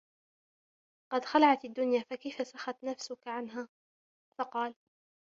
قَدْ خَلَعْت الدُّنْيَا فَكَيْفَ سَخَتْ نَفْسُك عَنْهَا ؟ فَقَالَ